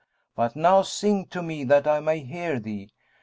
But now sing to me, that I may hear thee.'